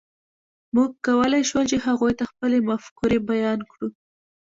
موږ کولی شول، چې هغوی ته خپلې مفکورې بیان کړو.